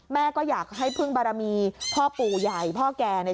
แม่ก็อยากให้พึ่งบารมีพ่อปู่ใหญ่พ่อแก่เนี่ย